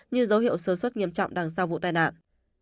như dấu hiệu sơ suất nghiêm trọng đằng sau vụ tai nạn